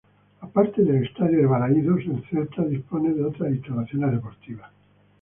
Aparte del estadio de Balaídos el Celta dispone de otras instalaciones deportivas.